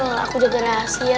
aku jaga rahasia